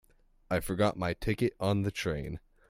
I forgot my ticket on the train.